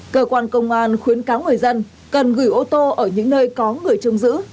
cơ quan công an khuyến cáo người dân cần gửi ô tô ở những nơi có người trông giữ